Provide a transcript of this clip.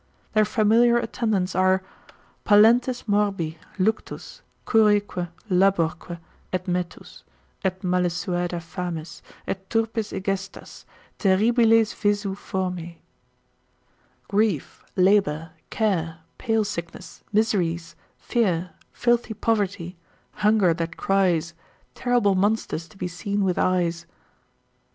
Their familiar attendants are, Pallentes morbi, luctus, curaeque laborque Et metus, et malesuada fames, et turpis egestas, Terribiles visu formae——— Grief, labour, care, pale sickness, miseries, Fear, filthy poverty, hunger that cries, Terrible monsters to be seen with eyes.